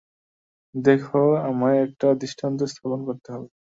দেখো, আমায় একটা দৃষ্টান্ত স্থাপন করতে হবে।